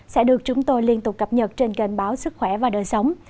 sẽ được chúng tôi liên tục cập nhật trên kênh báo sức khỏe và đời sống